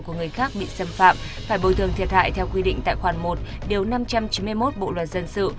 của người khác bị xâm phạm phải bồi thường thiệt hại theo quy định tại khoản một điều năm trăm chín mươi một bộ luật dân sự